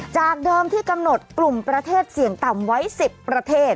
จากเดิมที่กำหนดกลุ่มประเทศเสี่ยงต่ำไว้๑๐ประเทศ